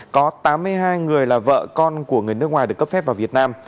có tám mươi hai người là vợ con của người nước ngoài được cấp phép vào việt nam